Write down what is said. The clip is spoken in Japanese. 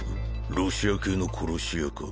ロシア系の殺し屋か？